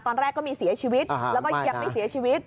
ตอนแรกก็มีเสียชีวิตแล้วก็ยังไม่เสียชีวิต